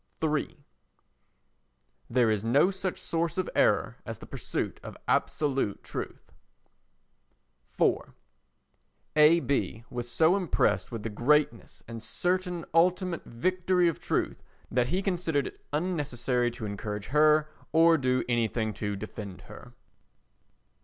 iii There is no such source of error as the pursuit of absolute truth. iv A. B. was so impressed with the greatness and certain ultimate victory of truth that he considered it unnecessary to encourage her or do anything to defend her.